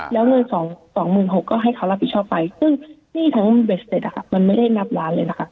แล้วเงิน๒๖๐๐ก็ให้เขารับผิดชอบไปซึ่งหนี้ทั้งเบสเต็ดมันไม่ได้นับล้านเลยนะคะ